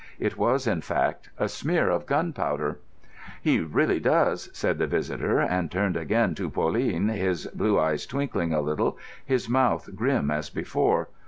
It was, in fact, a smear of gunpowder. "He really does," said the visitor, and turned again to Pauline, his blue eyes twinkling a little, his mouth grim as before.